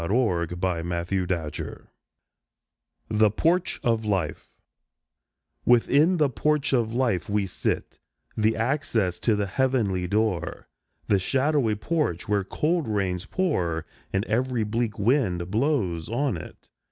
THE PORCH OF LIFE 1 1 1 THE PORCH OF LIFE WITHIN the Porch of Life we sit, The access to the heavenly door, The shadowy porch where cold rains pour, And every bleak wind blows on it.